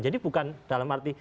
jadi bukan dalam arti